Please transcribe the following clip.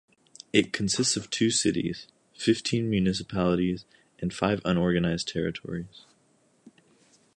It consists of two cities, fifteen municipalities, and five unorganized territories.